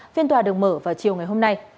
phiên tòa được mở vào chiều ngày hôm nay